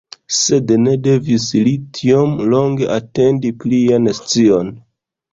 Sed, ne devis li tiom longe atendi plian scion.